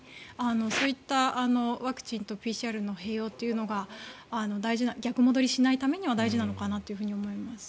そういったワクチンとＰＣＲの併用というのが逆戻りしないためには大事なのかなと思います。